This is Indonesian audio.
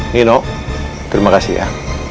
nino terima kasih ya